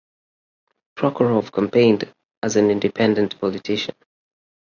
Prokhorov campaigned as an independent politician.